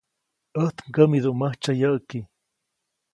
ʼÄjt mkämidubäʼmäjtsyä yäʼki.